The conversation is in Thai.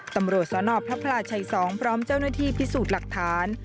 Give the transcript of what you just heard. ตำรวจสนพระพลาชัย๒พร้อมเจ้าหน้าที่พิสูจน์หลักฐาน